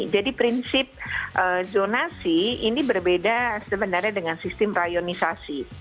jadi prinsip zonasi ini berbeda sebenarnya dengan sistem rayonisasi